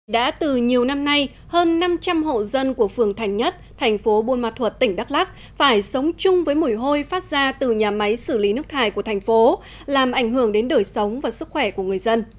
đã từ nhiều năm nay hơn năm trăm linh hộ dân của phường thành nhất thành phố buôn ma thuật tỉnh đắk lắc phải sống chung với mùi hôi phát ra từ nhà máy xử lý nước thải của thành phố làm ảnh hưởng đến đời sống và sức khỏe của người dân